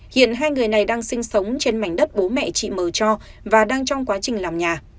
hiện hai người này đang sinh sống trên mảnh đất bố mẹ chị mờ cho và đang trong quá trình làm nhà